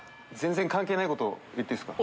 関係ないこと言っていいですか。